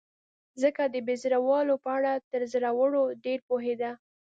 ځکه د بې زړه والاو په اړه تر زړورو ډېر پوهېده.